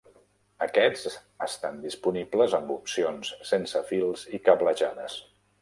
Aquests estan disponibles amb opcions sense fils i cablejades.